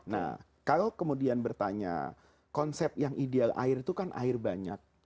nah kalau kemudian bertanya konsep yang ideal air itu kan air banyak